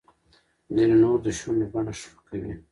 ځینې نور د شونډو بڼه ښه کوي.